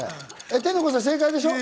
天の声さん、正解でしょ？